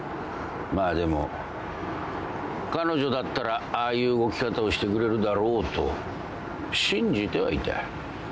まあでも彼女だったらああいう動き方をしてくれるだろうと信じてはいた。